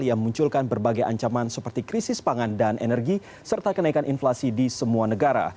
yang memunculkan berbagai ancaman seperti krisis pangan dan energi serta kenaikan inflasi di semua negara